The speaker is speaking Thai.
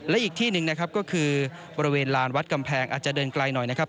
และอีกที่หนึ่งนะครับก็คือบริเวณลานวัดกำแพงอาจจะเดินไกลหน่อยนะครับ